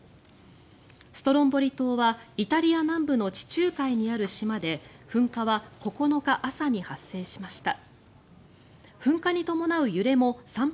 ストロンボリ島はイタリア南部の地中海にある島で噴火は９日朝に発生しました。